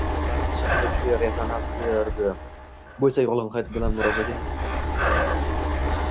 ularning ishi juda kuchli rezonans berdi: bu esa “yolg‘on hayot” bilan murosaga